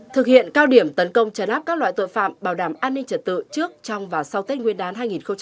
thực hiện cao điểm tấn công chấn áp các loại tội phạm bảo đảm an ninh trật tự trước trong và sau tết nguyên đán hai nghìn hai mươi bốn